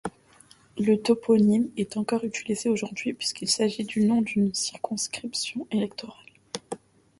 Le toponyme est encore utilisé aujourd'hui puisqu'il s'agit du nom d'une circonscription électorale.